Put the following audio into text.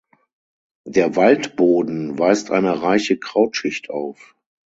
Der Waldboden weist eine reiche Krautschicht auf.